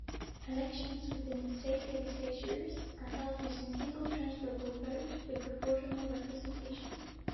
Elections within the state legislatures are held using Single transferable vote with proportional representation.